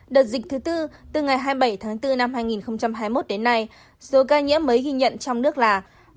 đợt dịch thứ tư từ ngày hai mươi bảy tháng bốn năm hai nghìn hai mươi một đến nay số ca nhiễm mới ghi nhận trong nước là